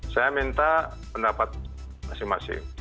saya minta pendapat masing masing